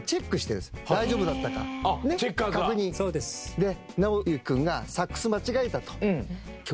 で尚之くんがサックス間違えたと。